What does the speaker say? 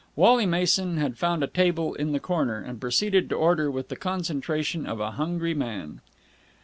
Wally Mason had found a table in the corner, and proceeded to order with the concentration of a hungry man.